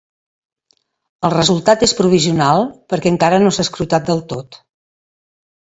El resultat és provisional, perquè encara no s’ha escrutat del tot.